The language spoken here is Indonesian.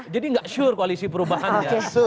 jadi gak sure koalisi perubahan ya